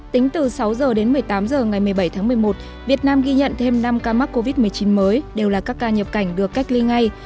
tính từ sáu h đến một mươi tám h ngày một mươi bảy tháng một mươi một việt nam ghi nhận thêm năm ca mắc covid một mươi chín mới đều là các ca nhập cảnh được cách ly ngay